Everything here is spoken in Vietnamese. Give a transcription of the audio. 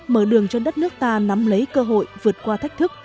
mở đường cho đất nước ta nắm lấy cơ hội vượt qua thách thức